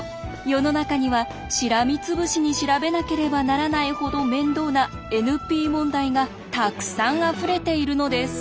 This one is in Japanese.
世の中にはしらみつぶしに調べなければならないほど面倒なＮＰ問題がたくさんあふれているのです。